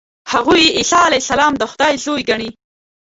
هغوی عیسی علیه السلام د خدای زوی ګڼي.